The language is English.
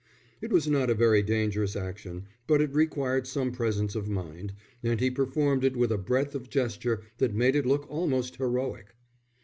It was not a very dangerous action, but it required some presence of mind, and he performed it with a breadth of gesture that made it look almost heroic.